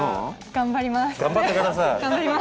頑張ります。